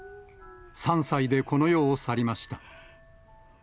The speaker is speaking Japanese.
３歳でこの世を去りました。